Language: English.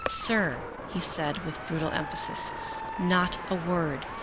" Sir," he said, with brutal emphasis, " not a word.